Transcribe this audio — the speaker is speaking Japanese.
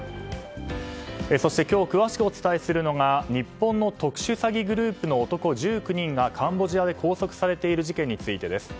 そして今日詳しくお伝えするのが日本の特殊詐欺グループの男１９人がカンボジアで拘束されている事件についてです。